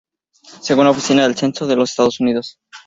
Según la Oficina del Censo de los Estados Unidos, St.